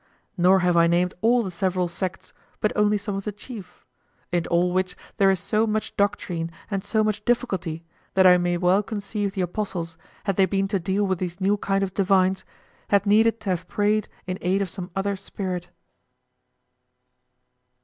Nor have I named all the several sects, but only some of the chief; in all which there is so much doctrine and so much difficulty that I may well conceive the apostles, had they been to deal with these new kind of divines, had needed to have prayed in aid of some other spirit.